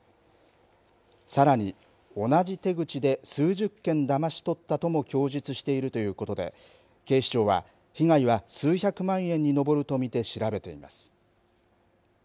さらに、同じ手口で数十件だまし取ったとも供述しているということで警視庁は、被害は数百万円に上ると見て調べています。